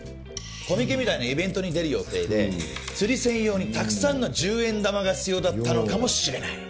コミケみたいなイベントに出る予定で釣り銭用にたくさんの１０円玉が必要だったのかもしれない。